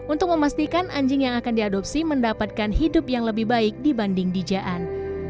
untuk memastikan anjing yang akan diadopsi mendapatkan hidup yang lebih baik dibanding di jaan